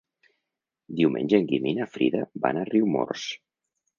Diumenge en Guim i na Frida van a Riumors.